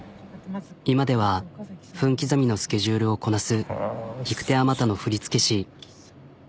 今では分刻みのスケジュールをこなす引く手あまたの振り付け師。